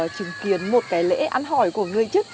chứng kiến một cái lễ ăn hỏi của người chức